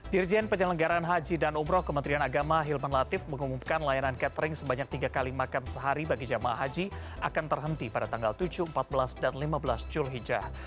dirjen penyelenggaran haji dan umroh kementerian agama hilman latif mengumumkan layanan catering sebanyak tiga kali makan sehari bagi jamaah haji akan terhenti pada tanggal tujuh empat belas dan lima belas julhijjah